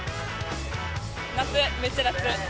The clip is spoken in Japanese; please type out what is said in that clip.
夏、めっちゃ夏。